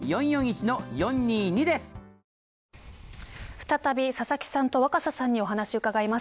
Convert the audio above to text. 再び、佐々木さんと若狭さんにお話を伺います。